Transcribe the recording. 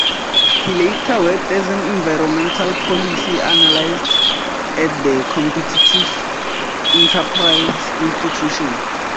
He later worked as an environmental policy analyst at the Competitive Enterprise Institute.